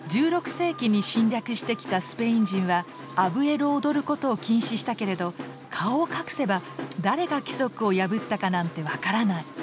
１６世紀に侵略してきたスペイン人はアブエロを踊ることを禁止したけれど顔を隠せば誰が規則を破ったかなんて分からない。